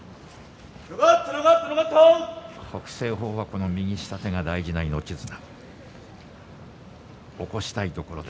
北青鵬はこの右下手が大事な命綱。